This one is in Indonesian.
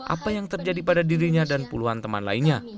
apa yang terjadi pada dirinya dan puluhan teman lainnya